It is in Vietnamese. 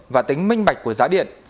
và tính minh bạch của giá điện